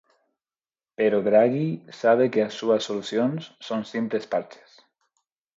Pero Draghi sabe que as súas solucións son simples parches.